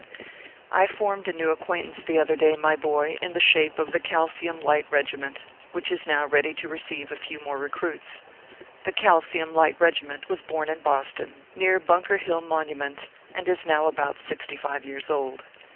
I formed a new acquaintance the other day, my boy, in the shape of the Calcium Light Eegiment, which is now ready to receive a few more recruits. The Calcium Light Regiment was born in Boston, near Bunker Hill Monument, and is now about sixty five years old.